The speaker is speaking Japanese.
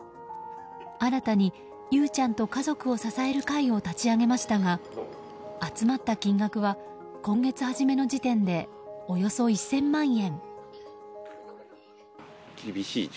新たにゆうちゃんと家族を支える会を立ち上げましたが集まった金額は今月初めの時点でおよそ１０００万円。